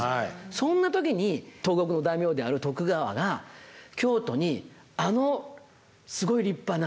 そんな時に東国の大名である徳川が京都にあのすごい立派なお城を造る。